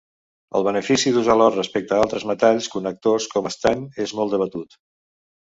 El benefici d'usar l'or respecte a altres metalls connectors com l'estany és molt debatut.